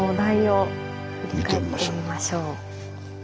振り返ってみましょう。